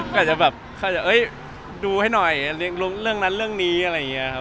ก็จะแบบเฮ้ยดูให้หน่อยเรื่องนั้นเรื่องนี้อะไรอย่างเงี้ยครับ